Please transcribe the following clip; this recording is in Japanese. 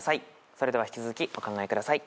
それでは引き続きお考えください。